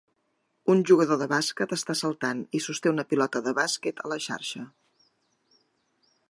Un jugador de bàsquet està saltant i sosté una pilota de bàsquet a la xarxa.